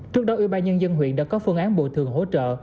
trước đó ủy ban nhân dân huyện đã có phương án bồi thường hỗ trợ